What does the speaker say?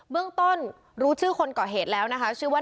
เรื่องต้นรู้ชื่อคนเกาะเหตุแล้วนะคะชื่อว่า